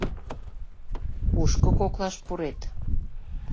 Кушко коклаш пурет?